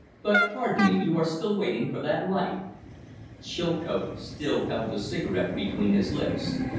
"But, pardon me, you are still waiting for that light!" Chilcote still held the cigarette between his lips.